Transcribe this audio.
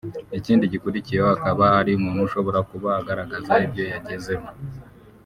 Ikindi gikurikiyeho akaba ari umuntu ushobora kuba agaragaza ibyo yagezeho